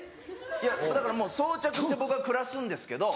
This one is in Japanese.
いやだからもう装着して僕は暮らすんですけど